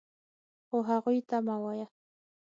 خو هغوی ته مه وایه .